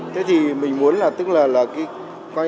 thế thì mình muốn là tức là là cái